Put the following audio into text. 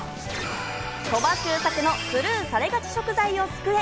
鳥羽周作のスルーされがち食材を救え！